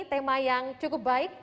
tema yang cukup baik